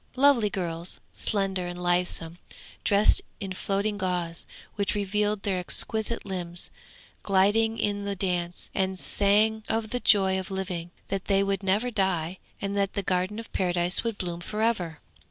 Lovely girls, slender and lissom, dressed in floating gauze, which revealed their exquisite limbs, glided in the dance, and sang of the joy of living that they would never die and that the Garden of Paradise would bloom for ever.